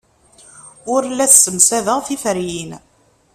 Ur la ssemsadeɣ tiferyin.